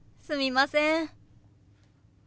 すみません。